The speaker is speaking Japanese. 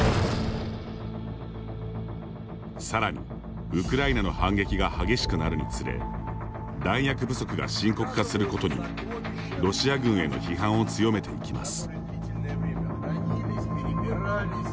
さらにウクライナの反撃が激しくなるにつれ弾薬不足が深刻化することにロシア軍への批判を強めていきます。